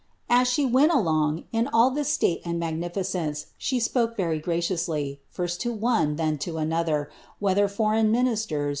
As she went along, in all this state and magnifi cence, she spoke very graciously, first to one, then to another, whether ' He probably means rushes.